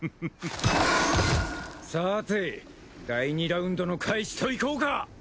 さて第２ラウンドの開始といこうか。